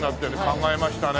考えましたね。